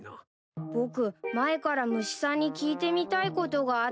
僕前から虫さんに聞いてみたいことがあったんです。